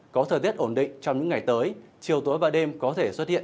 có thời tiết ổn định trong những ngày tới chiều tối và đêm có thể xuất hiện